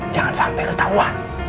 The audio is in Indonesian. jangan sampai ketahuan